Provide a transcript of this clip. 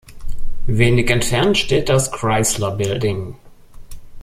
Wenig entfernt steht das Chrysler Building.